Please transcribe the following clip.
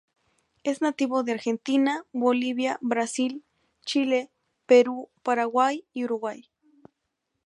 Es nativo de Argentina, Bolivia, Brasil, Chile, Perú, Paraguay y Uruguay.